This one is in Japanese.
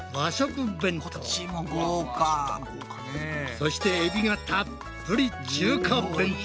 そしてエビがたっぷり中華弁当。